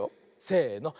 せの。